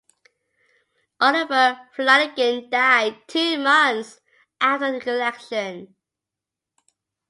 Oliver Flanagan died two months after the election.